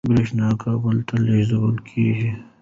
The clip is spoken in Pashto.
برېښنا کابل ته لېږدول کېږي.